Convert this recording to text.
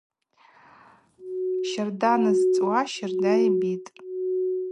Щарда нызцӏуа щарда йбитӏ.